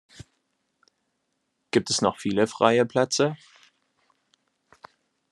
Gibt es noch viele freie Plätze?